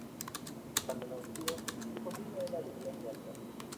Cuando nació, su familia era de clase alta.